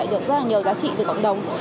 được rất nhiều giá trị từ cộng đồng